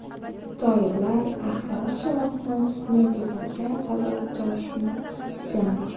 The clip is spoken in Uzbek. Toliblar Ahmad Shoh Mas’udning buzilgan qabr toshini tiklamoqchi